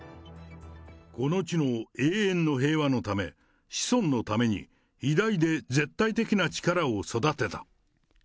この地の永遠の平和のため、子孫のために、偉大で絶対的な力を育てた。